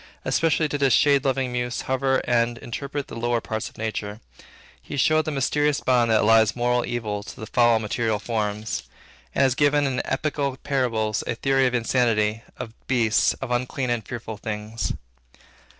Especially did his shade loving muse hover over and interpret the lower parts of nature; he showed the mysterious bond that allies moral evil to the foul material forms, and has given in epical parables a theory of insanity, of beasts, of unclean and fearful things.